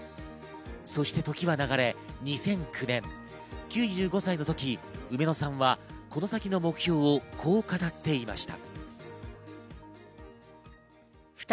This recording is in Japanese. そして時は流れ２００９年、９５歳のときウメノさんはこの先の目標をこう語っていました。